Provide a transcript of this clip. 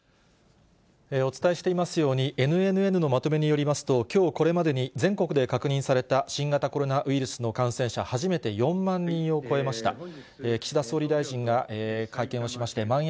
お伝えしていますように、ＮＮＮのまとめによりますと、きょうこれまでに全国で確認された新型コロナウイルスの感染者、初めて４万人を超えました。